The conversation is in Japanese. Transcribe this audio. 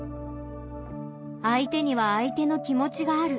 相手には相手の気持ちがある。